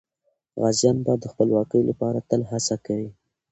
غازیان به د خپلواکۍ لپاره تل هڅه کوله.